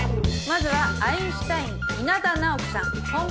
まずはアインシュタイン稲田直樹さんぽん